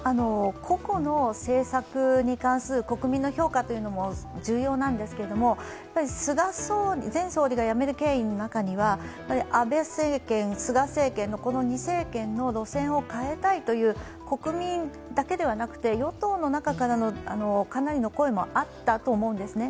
個々の政策に関する国民の評価も重要なんですが菅前総理が辞める経緯の中には安倍政権、菅政権、この２政権の路線を変えたいという国民だけではなくて、与党の中から、かなりの声もあったと思うんですね。